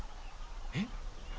えっ？